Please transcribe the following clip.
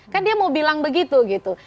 kan dia mau bilang begitu gitu